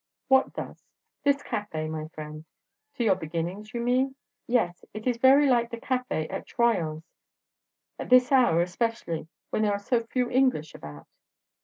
"What does?" "This café, my friend." "To your beginnings, you mean?" "Yes. It is very like the café at Troyon's, at this hour especially, when there are so few English about."